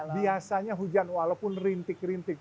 biasanya hujan walaupun rintik rintik